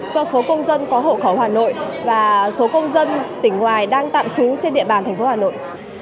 cho số công dân có hậu khóa hà nội và số công dân tỉnh ngoài đang tạm trú trên địa bàn tp hà nội